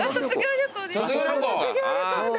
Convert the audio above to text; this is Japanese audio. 卒業旅行！